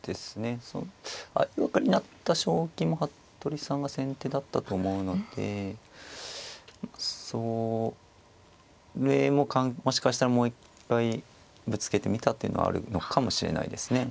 相掛かりになった将棋も服部さんが先手だったと思うのでそれももしかしたらもう一回ぶつけてみたっていうのはあるのかもしれないですね。